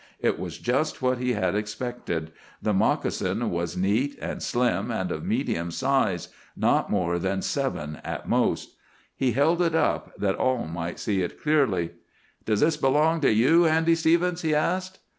It was just what he had expected. The moccasin was neat and slim and of medium size—not more than seven at most. He held it up, that all might see it clearly. "Does this belong to you, Andy Stevens?" he asked.